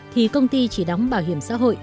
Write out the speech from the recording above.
thì công ty chỉ đóng bảo hiểm xã hội